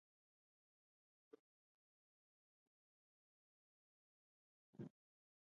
It was formed by the division of Lanarkshire constituency.